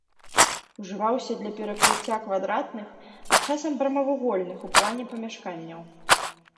Ужываўся для перакрыцця квадратных, а часам прамавугольных у плане памяшканняў.